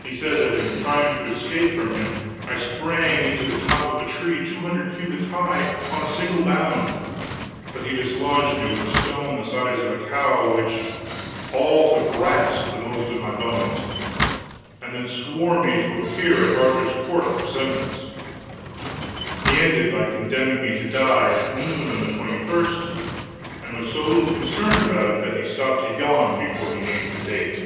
He said that in trying to escape from him I sprang into the top of a tree two hundred cubits high at a single bound, but he dislodged me with a stone the size of a cow, which "all to brast" the most of my bones, and then swore me to appear at Arthur's court for sentence. He ended by condemning me to die at noon on the 21st; and was so little concerned about it that he stopped to yawn before he named the date.